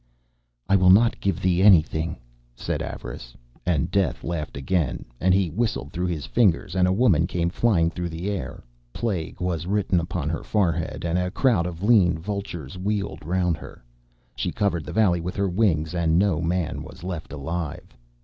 'I will not give thee anything,' said Avarice. And Death laughed again, and he whistled through his fingers, and a woman came flying through the air. Plague was written upon her forehead, and a crowd of lean vultures wheeled round her. She covered the valley with her wings, and no man was left alive.